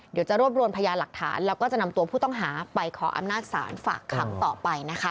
เดี๋ยวจะรวบรวมพยานหลักฐานแล้วก็จะนำตัวผู้ต้องหาไปขออำนาจศาลฝากขังต่อไปนะคะ